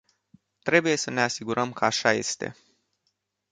Trebuie să ne asigurăm că așa este.